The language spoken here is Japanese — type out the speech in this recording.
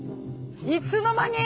いつの間に？